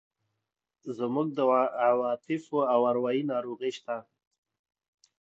زموږ د عواطفو او اروایي ناروغۍ شته.